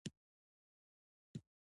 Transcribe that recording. خوب د خوښۍ سره مل وي